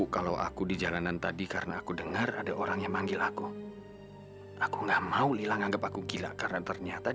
sampai jumpa di video selanjutnya